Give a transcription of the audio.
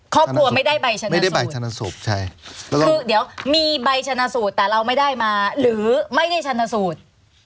ครอบครัวไม่ได้ใบชนะสูตรคือเดี๋ยวมีใบชนะสูตรแต่เราไม่ได้มาหรือไม่ได้ชนะสูตร